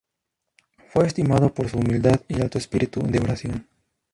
Fue estimado por su humildad y alto espíritu de oración.